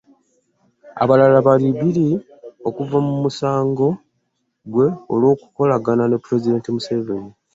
Abalala babiri okuva mu musango gwe olw'okukolagana ne Pulezidenti Museveni.